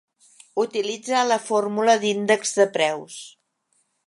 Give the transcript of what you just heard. Utilitza la fórmula d'índex de preus.